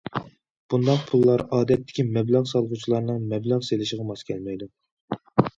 بۇنداق پۇللار ئادەتتىكى مەبلەغ سالغۇچىلارنىڭ مەبلەغ سېلىشىغا ماس كەلمەيدۇ.